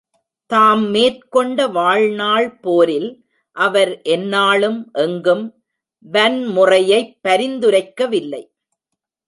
தாம் மேற்கொண்ட வாழ்நாள் போரில் அவர் எந்நாளும் எங்கும் வன்முறையைப் பரிந்துரைக்கவில்லை.